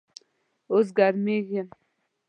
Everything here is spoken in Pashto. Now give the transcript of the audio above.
اوس ګرمیږم